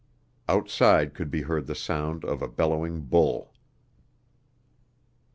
Outside could be heard the sound of a bellowing bull!